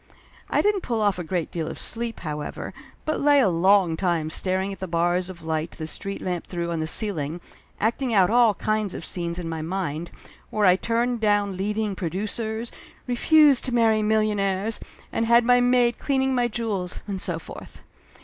I didn't pull off a great deal of sleep, however, but lay a long time staring at the bars of light the street lamp threw on the ceiling, acting out all kinds of scenes in my mind, where I turned down leading producers, refused to marry millionaires, and had my maid clean ing my jewels, and so forth.